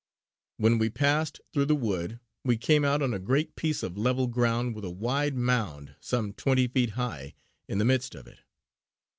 When we had passed through the wood, we came out on a great piece of level ground with a wide mound some twenty feet high, in the midst of it.